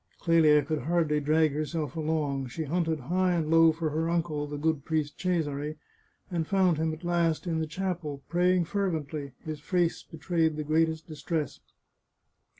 Clelia could hardly drag herself along ; she hunted high and low for her uncle, the good priest Cesare, and found him at last in the chapel, praying fervently ; his face betrayed the greatest distress.